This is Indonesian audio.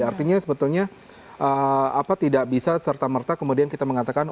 artinya sebetulnya tidak bisa serta merta kemudian kita mengatakan